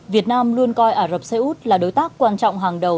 việt nam luôn coi ả rập xê út là đối tác quan trọng hàng đầu